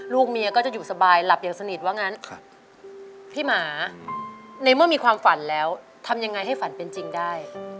ลูกเมียก็จะอยู่สบายหลับอย่างสนิทว่างั้นพี่หมาในเมื่อมีความฝันแล้วทำยังไงให้ฝันเป็นจริงได้